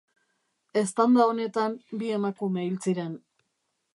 Eztanda honetan bi emakume hil ziren.